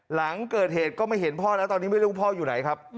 หลังเกิดเหตุก็ไม่เห็นพ่อแล้วตอนนี้ไม่รู้พ่ออยู่ไหนครับ